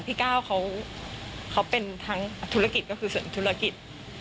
พี่ก้าวเขาเป็นทั้งธุรกิจก็คือส่วนธุรกิจ